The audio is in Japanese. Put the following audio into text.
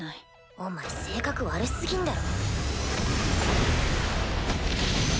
お前性格悪すぎんだろ。